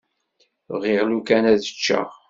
Bɣiɣ lukan ad ččeɣ.